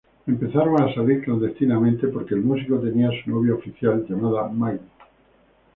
Empezaron a salir clandestinamente porque el músico tenía su novia oficial llamada Maggie.